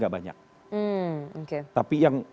gak banyak hmm oke tapi yang